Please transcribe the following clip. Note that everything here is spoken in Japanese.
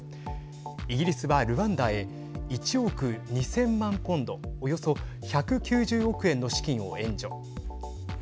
イギリスはルワンダへ１億２０００万ポンドおよそ１９０億円の資金を援助。